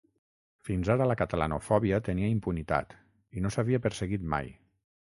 Fins ara la catalanofòbia tenia impunitat, i no s’havia perseguit mai.